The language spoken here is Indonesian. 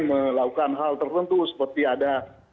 melakukan hal tertentu seperti ada